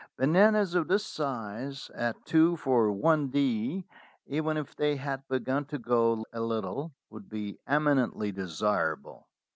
Bananas of this size at 2 for id., even if they had begun to go a little, would be emi nently desirable.